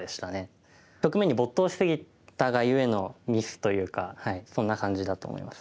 局面に没頭し過ぎたがゆえのミスというかそんな感じだと思います。